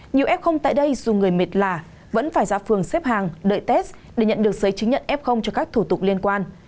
nhiều f tại đây dù người mệt lạ vẫn phải ra phường xếp hàng đợi test để nhận được giấy chứng nhận f cho các thủ tục liên quan